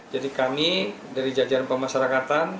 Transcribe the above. jadi kami dari jajaran pemasarakatan